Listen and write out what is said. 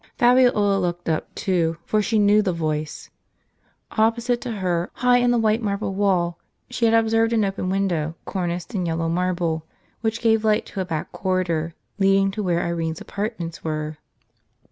Fabiola looked up too ; for she knew the voice. Opposite to her, high in the white marble wall, she had observed an open window, corniced in yellow marble, which gave light to a back corridor leading to where Irene's apart ments were.